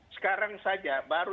sekarang saja baru